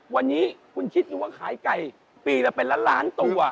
วันนี้คุณคิดดูว่าขายไก่ปีละเป็นล้านล้านตัว